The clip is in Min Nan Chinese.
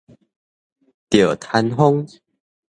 著癱風